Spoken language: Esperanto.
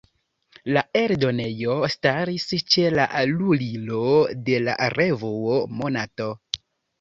La eldonejo staris ĉe la lulilo de la revuo "Monato".